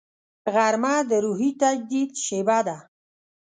غرمه د روحي تجدید شیبه ده